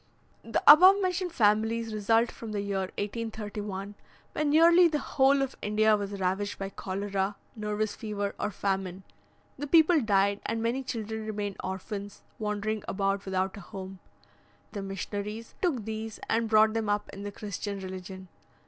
The above mentioned families result from the year 1831, when nearly the whole of India was ravaged by cholera, nervous fever, or famine; the people died, and many children remained orphans, wandering about without a home. The missionaries took these, and brought them up in the Christian religion.